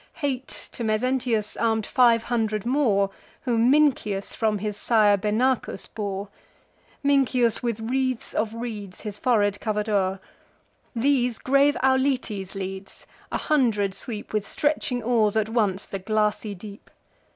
Hate to Mezentius arm'd five hundred more, Whom Mincius from his sire Benacus bore: Mincius, with wreaths of reeds his forehead cover'd o'er. These grave Auletes leads: a hundred sweep With stretching oars at once the glassy deep.